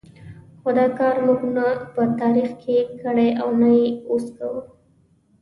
خو دا کار موږ نه په تاریخ کې کړی او نه یې اوس کوو.